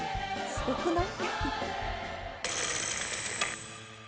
すごくない？